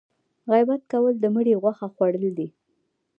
غیبت کول د مړي غوښه خوړل دي